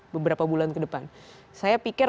beberapa bulan ke depan saya pikir